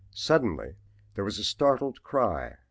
Suddenly there was a startled cry.